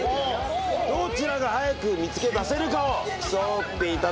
どちらが早く見つけ出せるかを競っていただきます。